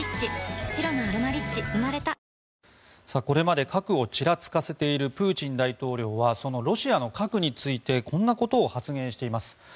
これまで核をちらつかせているプーチン大統領はそのロシアの核についてこんなことを発言しています。